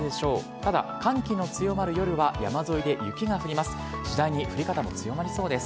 ただ、寒気の強まる夜は、山沿いで雪が降ります。